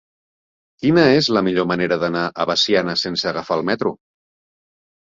Quina és la millor manera d'anar a Veciana sense agafar el metro?